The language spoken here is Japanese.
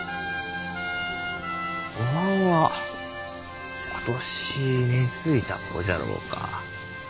おまんは今年根づいた子じゃろうか？